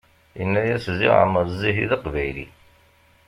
Yenna-yas ziɣ Ɛmer Zzahi d aqbayli!